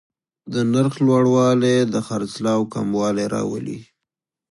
د نرخ لوړوالی د خرڅلاو کموالی راولي.